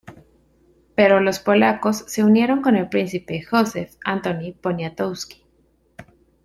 Pero los polacos se unieron con el príncipe Józef Antoni Poniatowski.